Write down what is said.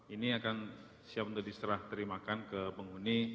ini akan siap untuk diserah terimakan ke penghuni